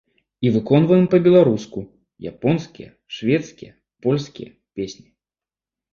І выконваем па-беларуску японскія, шведскія, польскія песні.